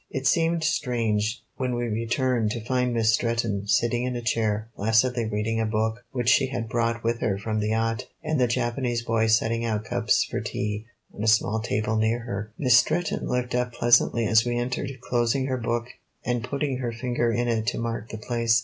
It seemed strange, when we returned, to find Miss Stretton sitting in a chair, placidly reading a book which she had brought with her from the yacht, and the Japanese boy setting out cups for tea on a small table near her. Miss Stretton looked up pleasantly as we entered, closing her book, and putting her finger in it to mark the place.